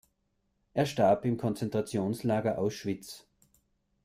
Er starb im Konzentrationslager Auschwitz.